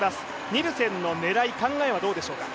ニルセンの狙い、考えはどうでしょうか？